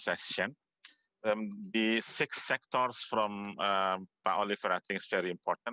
ketiga sektor dari pak oliver saya pikir sangat penting